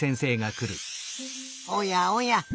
おやおや。